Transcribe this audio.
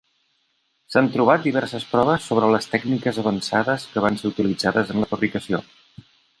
S'han trobat diverses proves sobre les tècniques avançades que van ser utilitzades en la fabricació.